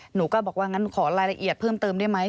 หนูก็บอกว่างั้นขอรายละเอียดเพิ่มเติมได้ไหม